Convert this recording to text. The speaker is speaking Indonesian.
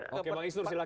oke bang istur silakan